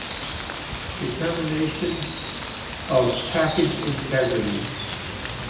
Determination of package integrity.